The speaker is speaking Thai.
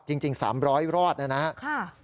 จริง๓๐๐รอดนะครับ